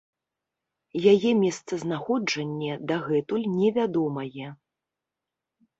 Яе месцазнаходжанне дагэтуль невядомае.